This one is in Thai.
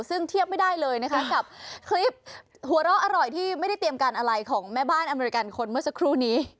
ซึ่งเทียบไม่ได้เลยนะคะกับคลิปหัวเราะอร่อยที่ไม่ได้เตรียมการอะไรของแม่บ้านอเมริกันคนเมื่อสักครู่นี้